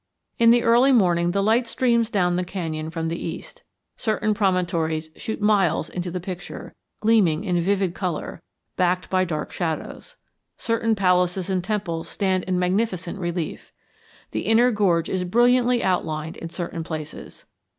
In the early morning the light streams down the canyon from the east. Certain promontories shoot miles into the picture, gleaming in vivid color, backed by dark shadows. Certain palaces and temples stand in magnificent relief. The inner gorge is brilliantly outlined in certain places.